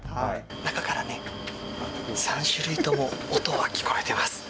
中からね、３種類とも音は聞こえてます。